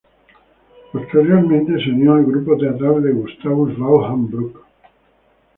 Posteriormente, se unió al grupo teatral de Gustavus Vaughan Brooke.